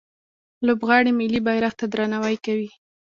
لوبغاړي ملي بیرغ ته درناوی کوي.